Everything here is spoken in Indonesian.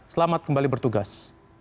selamat kembali bertugas